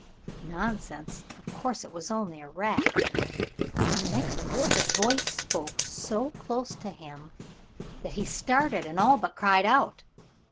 Nonsense, of course it was only a rat. Next moment a voice spoke so close to him that he started and all but cried out.